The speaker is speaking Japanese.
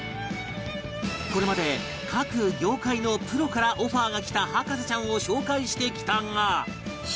これまで各業界のプロからオファーが来た博士ちゃんを紹介してきたが